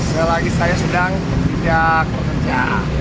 selagi saya sedang tidak bekerja